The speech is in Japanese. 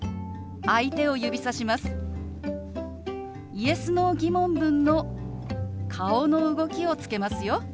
Ｙｅｓ／Ｎｏー疑問文の顔の動きをつけますよ。